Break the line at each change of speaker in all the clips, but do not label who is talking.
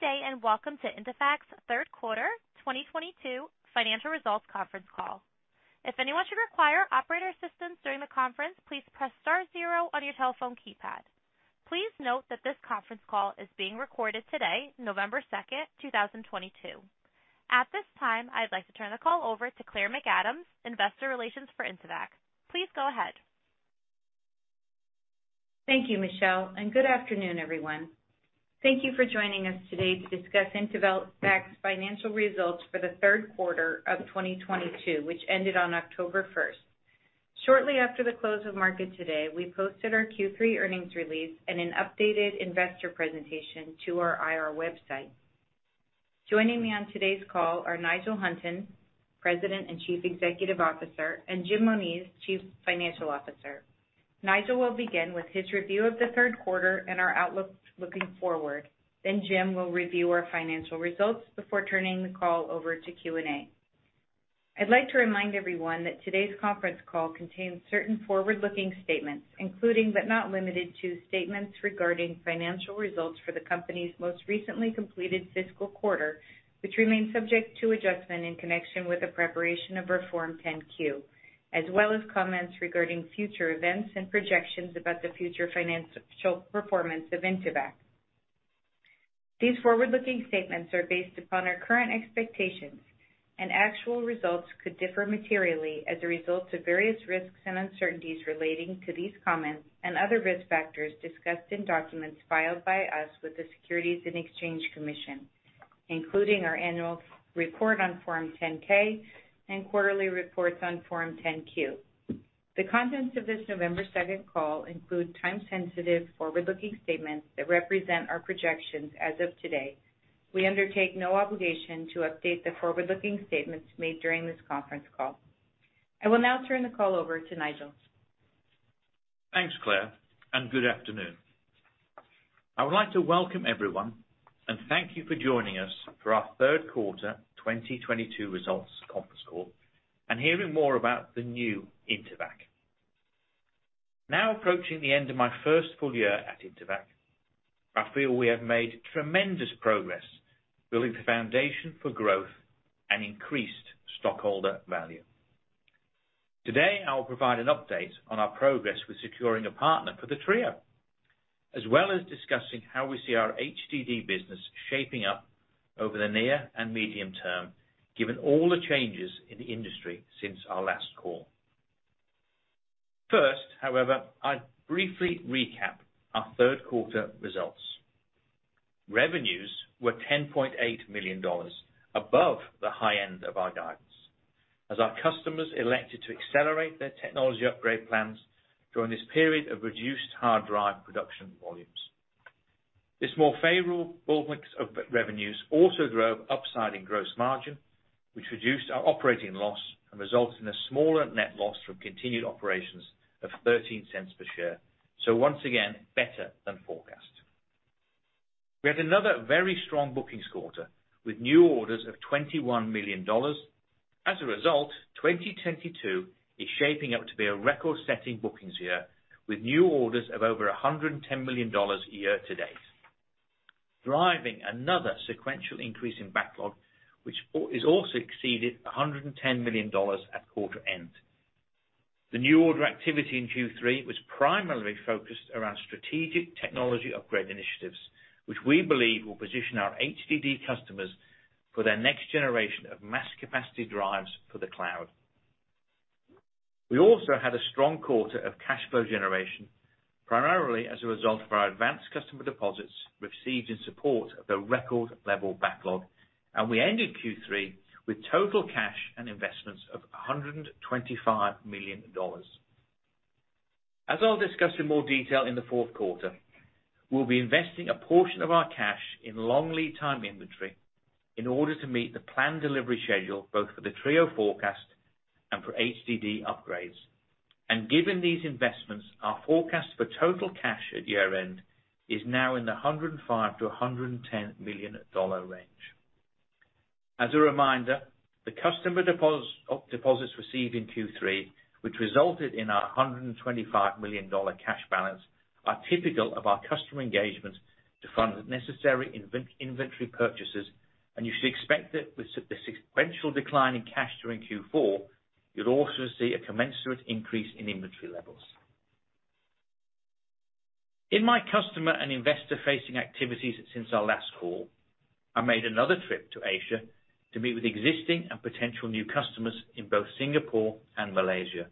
Good day, and welcome to Intevac's Q3 2022 financial results conference call. If anyone should require operator assistance during the conference, please press star zero on your telephone keypad. Please note that this conference call is being recorded today, November 2nd, 2022. At this time, I'd like to turn the call over to Claire McAdams, Investor Relations for Intevac. Please go ahead.
Thank you, Michelle, and good afternoon, everyone. Thank you for joining us today to discuss Intevac's financial results for the Q3 of 2022, which ended on October 1st. Shortly after the close of market today, we posted our Q3 earnings release and an updated investor presentation to our IR website. Joining me on today's call are Nigel Hunton, President and Chief Executive Officer, and Jim Moniz, Chief Financial Officer. Nigel will begin with his review of the Q3 and our outlook looking forward. Jim will review our financial results before turning the call over to Q&A. I'd like to remind everyone that today's conference call contains certain forward-looking statements, including, but not limited to, statements regarding financial results for the company's most recently completed fiscal quarter which remains subject to adjustment in connection with the preparation of our Form 10-Q, as well as comments regarding future events and projections about the future financial performance of Intevac. These forward-looking statements are based upon our current expectations, and actual results could differ materially as a result of various risks and uncertainties relating to these comments and other risk factors discussed in documents filed by us with the Securities and Exchange Commission, including our annual report on Form 10-K and quarterly reports on Form 10-Q. The contents of this November second call include time-sensitive forward-looking statements that represent our projections as of today. We undertake no obligation to update the forward-looking statements made during this conference call. I will now turn the call over to Nigel.
Thanks, Claire, and good afternoon. I would like to welcome everyone and thank you for joining us for our Q3 2022 results conference call and hearing more about the new Intevac. Now approaching the end of my first full year at Intevac, I feel we have made tremendous progress building the foundation for growth and increased stockholder value. Today, I will provide an update on our progress with securing a partner for the TRIO, as well as discussing how we see our HDD business shaping up over the near and medium term, given all the changes in the industry since our last call. First, however, I'll briefly recap our Q3 results. Revenues were $10.8 million above the high end of our guidance as our customers elected to accelerate their technology upgrade plans during this period of reduced hard drive production volumes. This more favorable mix of revenues also drove upside in gross margin, which reduced our operating loss and resulted in a smaller net loss from continued operations of $0.13 per share. Once again, better than forecast. We had another very strong bookings quarter with new orders of $21 million. As a result, 2022 is shaping up to be a record-setting bookings year, with new orders of over $110 million year to date, driving another sequential increase in backlog, which also exceeded $110 million at quarter end. The new order activity in Q3 was primarily focused around strategic technology upgrade initiatives, which we believe will position our HDD customers for their next generation of mass capacity drives for the cloud. We also had a strong quarter of cash flow generation, primarily as a result of our advanced customer deposits received in support of the record level backlog. We ended Q3 with total cash and investments of $125 million. As I'll discuss in more detail in the Q4, we'll be investing a portion of our cash in long lead time inventory in order to meet the planned delivery schedule, both for the TRIO forecast and for HDD upgrades. Given these investments, our forecast for total cash at year-end is now in the $105-$110 million range. As a reminder, the customer deposits received in Q3, which resulted in our $125 million cash balance, are typical of our customer engagements to fund the necessary inventory purchases. You should expect that with the sequential decline in cash during Q4, you'll also see a commensurate increase in inventory levels. In my customer and investor-facing activities since our last call, I made another trip to Asia to meet with existing and potential new customers in both Singapore and Malaysia,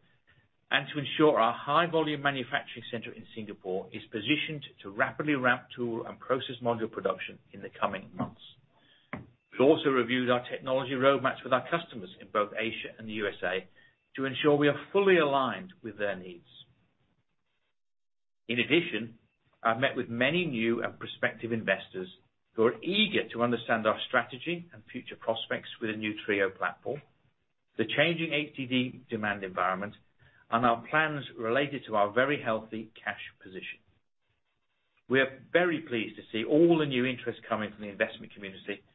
and to ensure our high volume manufacturing center in Singapore is positioned to rapidly ramp tool and process module production in the coming months. We also reviewed our technology roadmaps with our customers in both Asia and the USA to ensure we are fully aligned with their needs. In addition, I've met with many new and prospective investors who are eager to understand our strategy and future prospects with the new TRIO platform, the changing HDD demand environment, and our plans related to our very healthy cash position. We are very pleased to see all the new interest coming from the investment community, and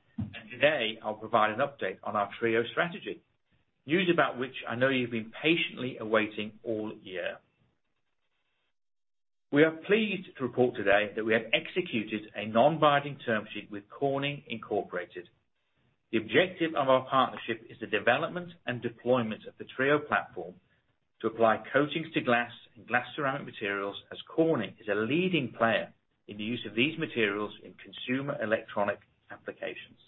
today I'll provide an update on our TRIO strategy, news about which I know you've been patiently awaiting all year. We are pleased to report today that we have executed a non-binding term sheet with Corning Incorporated. The objective of our partnership is the development and deployment of the TRIO platform to apply coatings to glass and glass ceramic materials, as Corning is a leading player in the use of these materials in consumer electronic applications.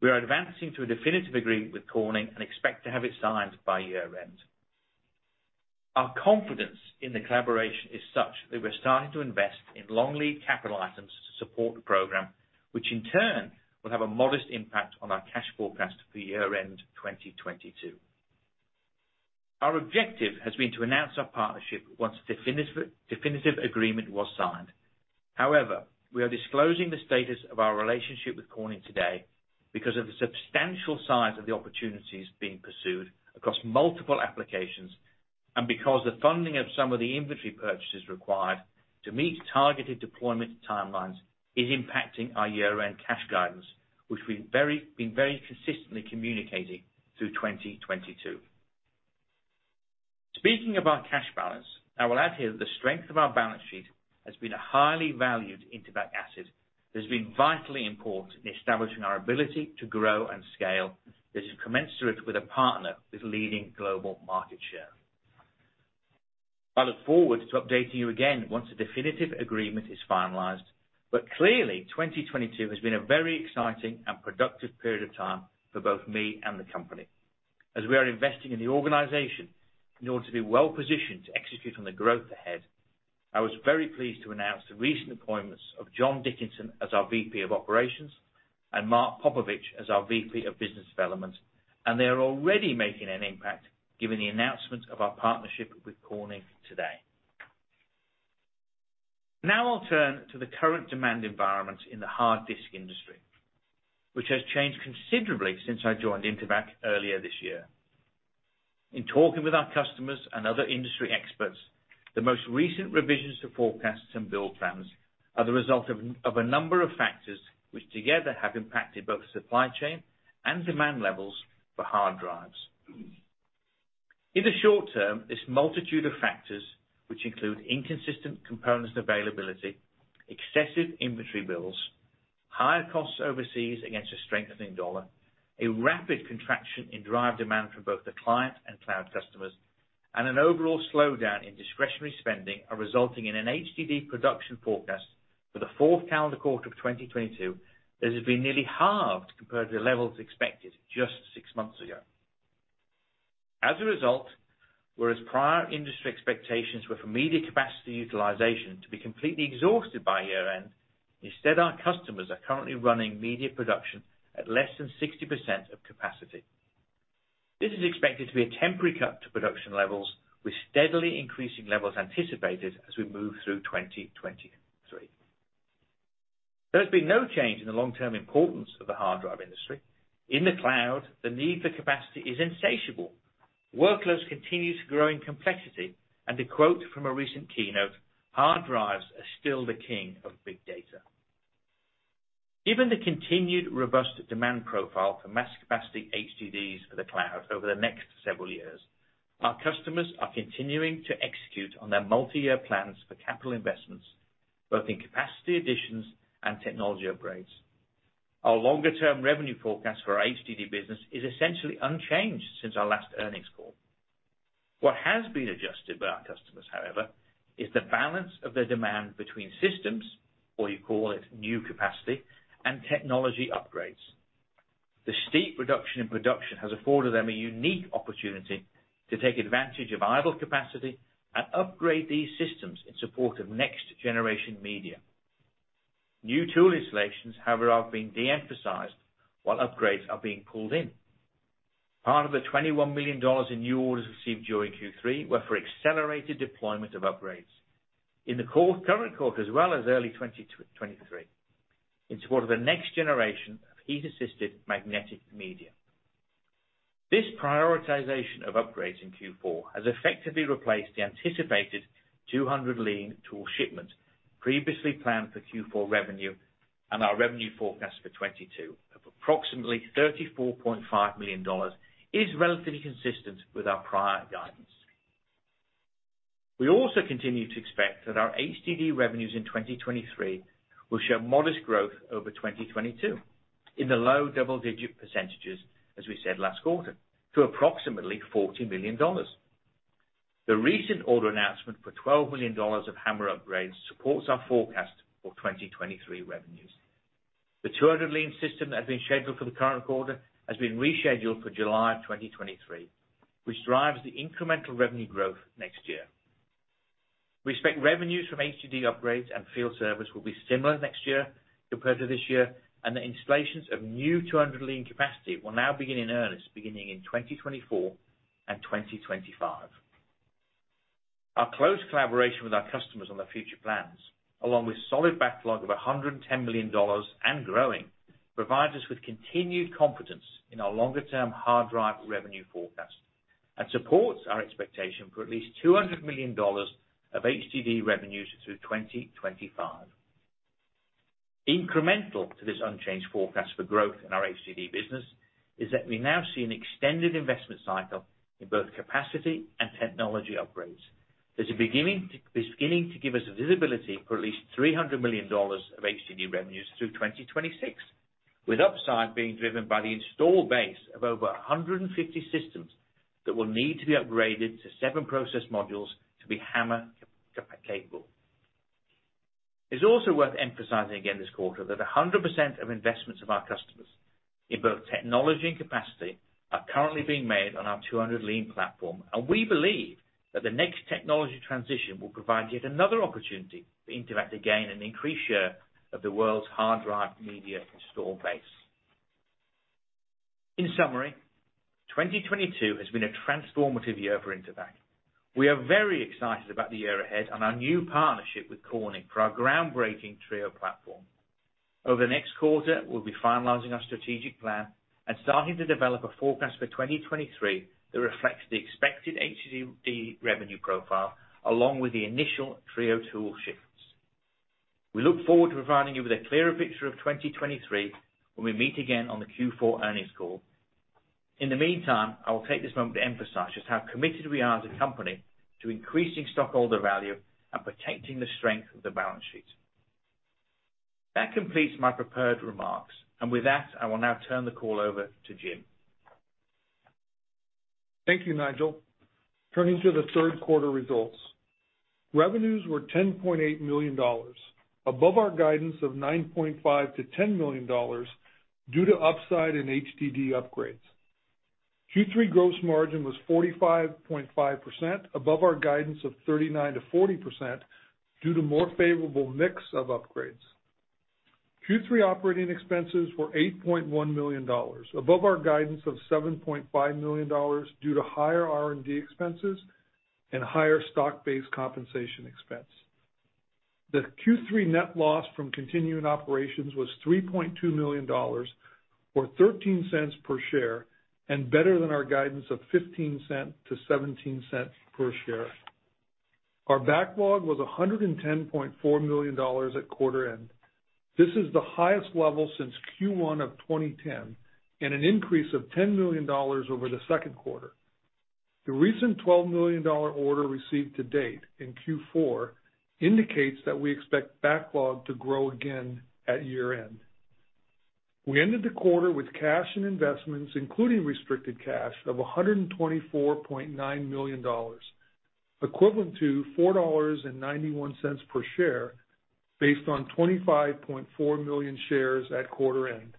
We are advancing to a definitive agreement with Corning and expect to have it signed by year-end. Our confidence in the collaboration is such that we're starting to invest in long lead capital items to support the program, which in turn will have a modest impact on our cash forecast for year-end 2022. Our objective has been to announce our partnership once definitive agreement was signed. However, we are disclosing the status of our relationship with Corning today because of the substantial size of the opportunities being pursued across multiple applications, and because the funding of some of the inventory purchases required to meet targeted deployment timelines is impacting our year-end cash guidance, which we've been very consistently communicating through 2022. Speaking of our cash balance, I will add here that the strength of our balance sheet has been a highly valued Intevac asset that has been vitally important in establishing our ability to grow and scale that is commensurate with a partner with leading global market share. I look forward to updating you again once a definitive agreement is finalized. Clearly, 2022 has been a very exciting and productive period of time for both me and the company. As we are investing in the organization in order to be well-positioned to execute on the growth ahead, I was very pleased to announce the recent appointments of John Dickinson as our VP of Operations and Mark Popovich as our VP of Business Development, and they are already making an impact, given the announcement of our partnership with Corning today. Now I'll turn to the current demand environment in the hard disk industry, which has changed considerably since I joined Intevac earlier this year. In talking with our customers and other industry experts, the most recent revisions to forecasts and build plans are the result of a number of factors which together have impacted both supply chain and demand levels for hard drives. In the short term, this multitude of factors, which include inconsistent components availability, excessive inventory builds, higher costs overseas against a strengthening dollar, a rapid contraction in drive demand from both the client and cloud customers, and an overall slowdown in discretionary spending, are resulting in an HDD production forecast for the fourth calendar quarter of 2022 that has been nearly halved compared to the levels expected just six months ago. As a result, whereas prior industry expectations were for media capacity utilization to be completely exhausted by year-end, instead, our customers are currently running media production at less than 60% of capacity. This is expected to be a temporary cut to production levels, with steadily increasing levels anticipated as we move through 2023. There has been no change in the long-term importance of the hard drive industry. In the cloud, the need for capacity is insatiable. Workloads continue to grow in complexity, and to quote from a recent keynote, "Hard drives are still the king of big data." Given the continued robust demand profile for mass capacity HDDs for the cloud over the next several years, our customers are continuing to execute on their multi-year plans for capital investments, both in capacity additions and technology upgrades. Our longer-term revenue forecast for our HDD business is essentially unchanged since our last earnings call. What has been adjusted by our customers, however, is the balance of their demand between systems, or you call it new capacity, and technology upgrades. The steep reduction in production has afforded them a unique opportunity to take advantage of idle capacity and upgrade these systems in support of next-generation media. New tool installations, however, are being de-emphasized while upgrades are being pulled in. Part of the $21 million in new orders received during Q3 were for accelerated deployment of upgrades in the current quarter as well as early 2023 in support of the next generation of heat-assisted magnetic media. This prioritization of upgrades in Q4 has effectively replaced the anticipated 200 Lean tool shipments previously planned for Q4 revenue, and our revenue forecast for 2022 of approximately $34.5 million is relatively consistent with our prior guidance. We also continue to expect that our HDD revenues in 2023 will show modest growth over 2022 in the low double-digit percentages, as we said last quarter, to approximately $40 million. The recent order announcement for $12 million of HAMR upgrades supports our forecast for 2023 revenues. The 200 Lean system that had been scheduled for the current quarter has been rescheduled for July of 2023, which drives the incremental revenue growth next year. We expect revenues from HDD upgrades and field service will be similar next year compared to this year, and the installations of new 200 Lean capacity will now begin in earnest, beginning in 2024 and 2025. Our close collaboration with our customers on their future plans, along with solid backlog of $110 million and growing, provides us with continued confidence in our longer-term hard drive revenue forecast and supports our expectation for at least $200 million of HDD revenues through 2025. Incremental to this unchanged forecast for growth in our HDD business is that we now see an extended investment cycle in both capacity and technology upgrades that are beginning to give us visibility for at least $300 million of HDD revenues through 2026, with upside being driven by the installed base of over 150 systems that will need to be upgraded to seven process modules to be HAMR capable. It's also worth emphasizing again this quarter that 100% of investments of our customers in both technology and capacity are currently being made on our 200 Lean platform. We believe that the next technology transition will provide yet another opportunity for Intevac to gain an increased share of the world's hard drive media install base. In summary, 2022 has been a transformative year for Intevac. We are very excited about the year ahead and our new partnership with Corning for our groundbreaking TRIO platform. Over the next quarter, we'll be finalizing our strategic plan and starting to develop a forecast for 2023 that reflects the expected HDD revenue profile, along with the initial TRIO tool shifts. We look forward to providing you with a clearer picture of 2023 when we meet again on the Q4 earnings call. In the meantime, I will take this moment to emphasize just how committed we are as a company to increasing stockholder value and protecting the strength of the balance sheet. That completes my prepared remarks, and with that, I will now turn the call over to Jim.
Thank you, Nigel. Turning to the Q3 results. Revenues were $10.8 million, above our guidance of $9.5-$10 million due to upside in HDD upgrades. Q3 gross margin was 45.5%, above our guidance of 39%-40% due to more favorable mix of upgrades. Q3 operating expenses were $8.1 million, above our guidance of $7.5 million due to higher R&D expenses and higher stock-based compensation expense. The Q3 net loss from continuing operations was $3.2 million, or $0.13 per share, and better than our guidance of $0.15-$0.17 per share. Our backlog was $110.4 million at quarter end. This is the highest level since Q1 of 2010, and an increase of $10 million over the Q2. The recent $12 million order received to date in Q4 indicates that we expect backlog to grow again at year-end. We ended the quarter with cash and investments, including restricted cash of $124.9 million, equivalent to $4.91 per share based on 25.4 million shares at quarter end.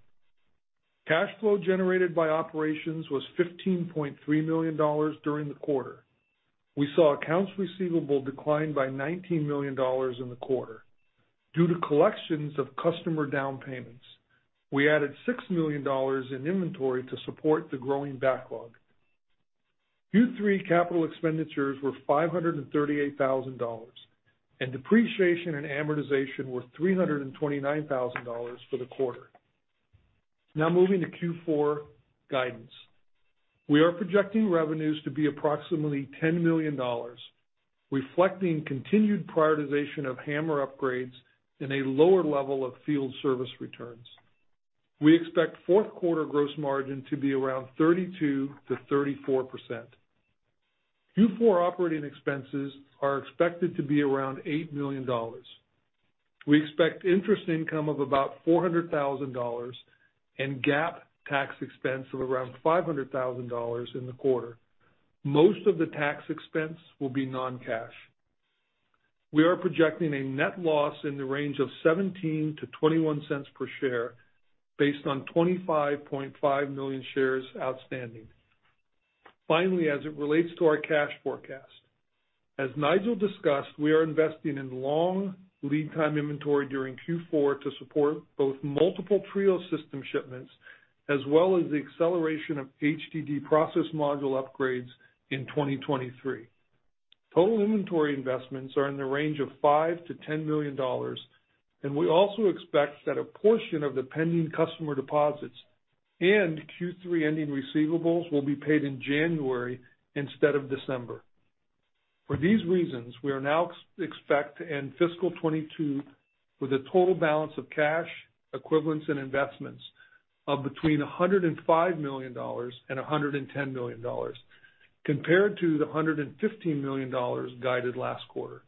Cash flow generated by operations was $15.3 million during the quarter. We saw accounts receivable decline by $19 million in the quarter due to collections of customer down payments. We added $6 million in inventory to support the growing backlog. Q3 capital expenditures were $538,000, and depreciation and amortization were $329,000 for the quarter. Now moving to Q4 guidance. We are projecting revenues to be approximately $10 million, reflecting continued prioritization of HAMR upgrades and a lower level of field service returns. We expect Q4 gross margin to be around 32%-34%. Q4 operating expenses are expected to be around $8 million. We expect interest income of about $400,000 and GAAP tax expense of around $500,000 in the quarter. Most of the tax expense will be non-cash. We are projecting a net loss in the range of $0.17-$0.21 per share based on 25.5 million shares outstanding. Finally, as it relates to our cash forecast, as Nigel discussed, we are investing in long lead time inventory during Q4 to support both multiple TRIO system shipments as well as the acceleration of HDD process module upgrades in 2023. Total inventory investments are in the range of $5-$10 million, and we also expect that a portion of the pending customer deposits and Q3 ending receivables will be paid in January instead of December. For these reasons, we are now expect to end fiscal 2022 with a total balance of cash, equivalents, and investments of between $105 million and $110 million compared to the $115 million guided last quarter.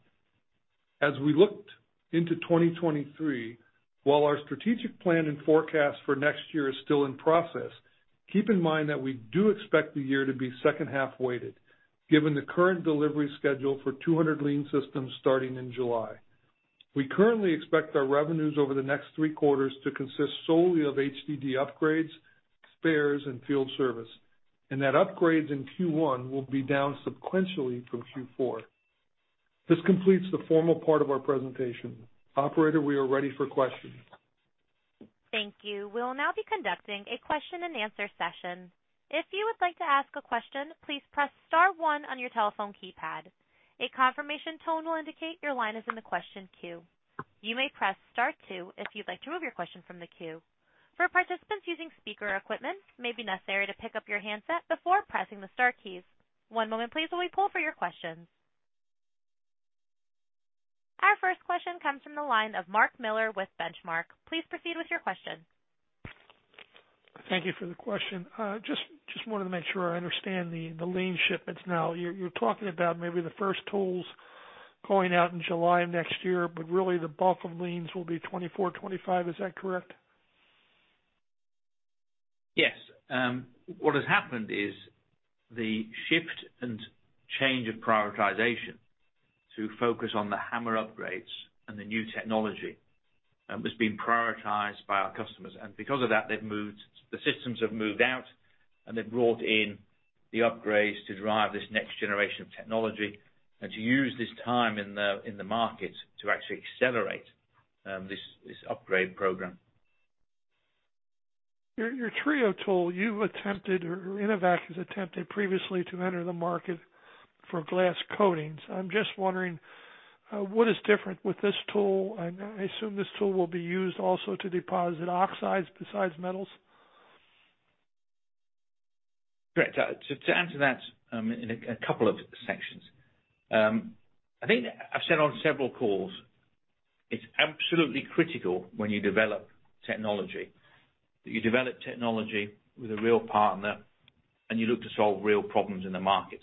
As we looked into 2023, while our strategic plan and forecast for next year is still in process, keep in mind that we do expect the year to be second half weighted, given the current delivery schedule for 200 Lean systems starting in July. We currently expect our revenues over the next three quarters to consist solely of HDD upgrades, spares, and field service, and that upgrades in Q1 will be down sequentially from Q4. This completes the formal part of our presentation. Operator, we are ready for questions.
Thank you. We'll now be conducting a question and answer session. If you would like to ask a question, please press star one on your telephone keypad. A confirmation tone will indicate your line is in the question queue. You may press star two if you'd like to remove your question from the queue. For participants using speaker equipment, it may be necessary to pick up your handset before pressing the star keys. One moment please while we pull for your questions. Our first question comes from the line of Mark Miller with Benchmark. Please proceed with your question.
Thank you for the question. Just wanted to make sure I understand the lean shipments. Now, you're talking about maybe the first tools going out in July of next year, but really the bulk of leans will be 2024, 2025. Is that correct?
Yes. What has happened is the shift and change of prioritization to focus on the HAMR upgrades and the new technology was being prioritized by our customers. Because of that, the systems have moved out, and they've brought in the upgrades to drive this next generation of technology and to use this time in the market to actually accelerate this upgrade program.
Your TRIO tool, you've attempted or Intevac has attempted previously to enter the market for glass coatings. I'm just wondering, what is different with this tool? I assume this tool will be used also to deposit oxides besides metals.
Great. To answer that, in a couple of sections. I think I've said on several calls, it's absolutely critical when you develop technology, that you develop technology with a real partner, and you look to solve real problems in the market.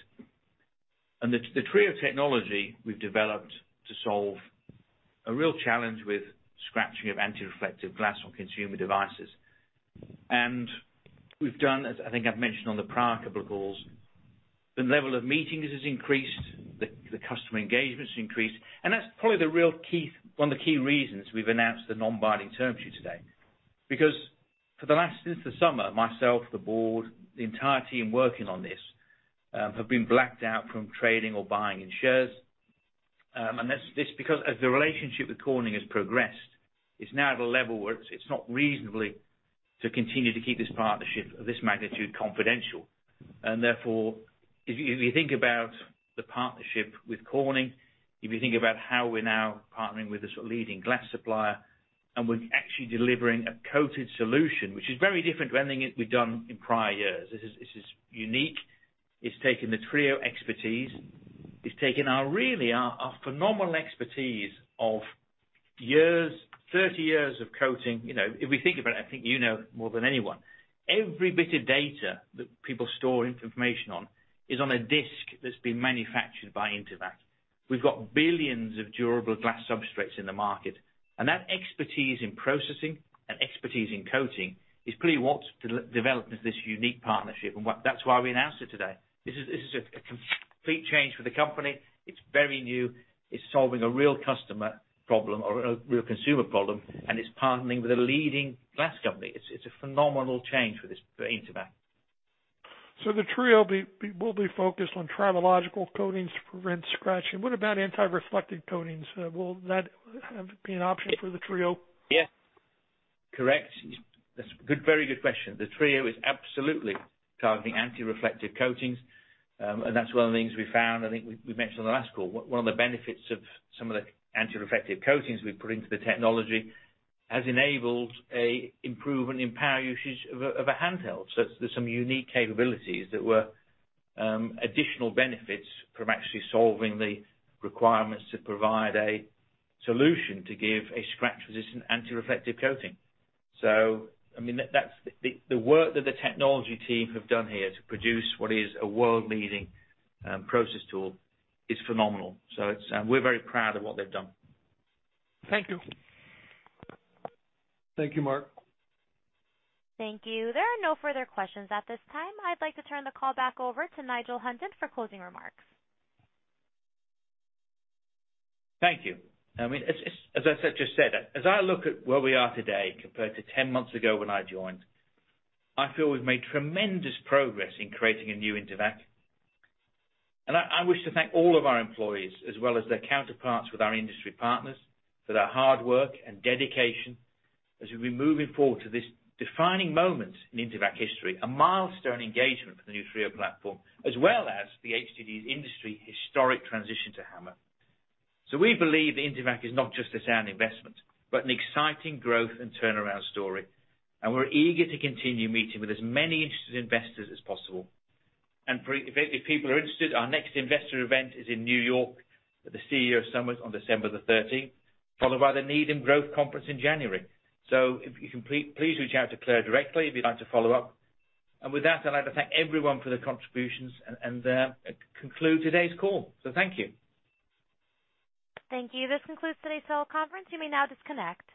The TRIO technology we've developed to solve a real challenge with scratching of anti-reflective glass on consumer devices. We've done, as I think I've mentioned on the prior couple of calls, the level of meetings has increased, the customer engagement has increased, and that's probably the real key, one of the key reasons we've announced the non-binding term sheet today. Because since the summer, myself, the board, the entire team working on this, have been blacked out from trading or buying in shares. That's just because as the relationship with Corning has progressed, it's now at a level where it's not reasonable to continue to keep this partnership of this magnitude confidential. Therefore, if you think about the partnership with Corning, if you think about how we're now partnering with this leading glass supplier, and we're actually delivering a coated solution, which is very different to anything we've done in prior years. This is unique. It's taken the TRIO expertise. It's taken our really phenomenal expertise of 30 years of coating. You know, if we think about it, I think you know more than anyone. Every bit of data that people store information on is on a disk that's been manufactured by Intevac. We've got billions of durable glass substrates in the market, and that expertise in processing and expertise in coating is pretty much what's developed into this unique partnership. That's why we announced it today. This is a complete change for the company. It's very new. It's solving a real customer problem or a real consumer problem, and it's partnering with a leading glass company. It's a phenomenal change for Intevac.
The TRIO will be focused on tribological coatings to prevent scratching. What about anti-reflective coatings? Will that be an option for the TRIO?
Yes. Correct. That's a good, very good question. The TRIO is absolutely targeting anti-reflective coatings. That's one of the things we found. I think we mentioned on the last call. One of the benefits of some of the anti-reflective coatings we put into the technology has enabled a improvement in power usage of a handheld. There's some unique capabilities that were additional benefits from actually solving the requirements to provide a solution to give a scratch-resistant anti-reflective coating. I mean, that's the work that the technology team have done here to produce what is a world-leading process tool is phenomenal. It's we're very proud of what they've done.
Thank you.
Thank you, Mark.
Thank you. There are no further questions at this time. I'd like to turn the call back over to Nigel Hunton for closing remarks.
Thank you. I mean, as I said, as I look at where we are today compared to 10 months ago when I joined, I feel we've made tremendous progress in creating a new Intevac. I wish to thank all of our employees as well as their counterparts with our industry partners for their hard work and dedication as we'll be moving forward to this defining moment in Intevac history, a milestone engagement for the new TRIO platform, as well as the HDD industry historic transition to HAMR. We believe Intevac is not just a sound investment, but an exciting growth and turnaround story. We're eager to continue meeting with as many interested investors as possible. If people are interested, our next investor event is in New York for the CEO Summit on December the 13th, followed by the Needham Growth Conference in January. If you can please reach out to Claire directly if you'd like to follow up. With that, I'd like to thank everyone for their contributions and conclude today's call. Thank you.
Thank you. This concludes today's teleconference. You may now disconnect.